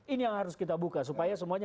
ini yang harus kita buka supaya semuanya